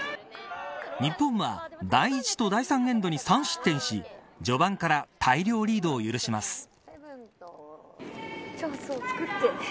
日本は第１と第３エンドに３失点し、序盤から大量リードを許します。